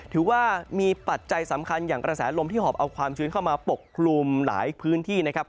ถือว่ามีปัจจัยสำคัญอย่างกระแสลมที่หอบเอาความชื้นเข้ามาปกคลุมหลายพื้นที่นะครับ